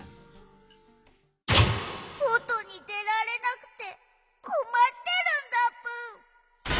そとにでられなくてこまってるんだぷん。